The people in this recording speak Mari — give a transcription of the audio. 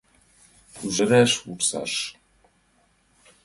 Ӱжыраш — вурсаш.